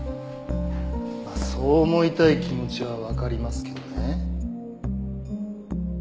まあそう思いたい気持ちはわかりますけどね。